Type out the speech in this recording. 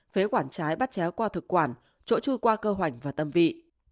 phế quản trái bắt chéo qua thực quản chỗ chui qua cơ hoành và tâm vị